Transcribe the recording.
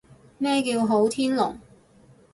咩叫好天龍？